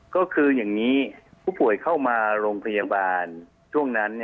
ก็คืออย่างนี้ผู้ป่วยเข้ามาโรงพยาบาลช่วงนั้น